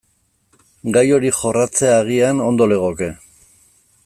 Gai hori jorratzea agian ondo legoke.